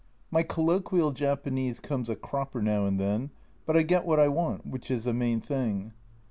My colloquial Japanese comes a cropper now and then but I get what I want, which is the main thing.